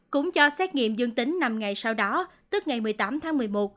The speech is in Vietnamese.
cũng cho xét nghiệm dương tính năm ngày sau đó tức ngày một mươi tám tháng một mươi một